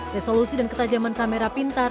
resolusi dan ketajaman kamera pintar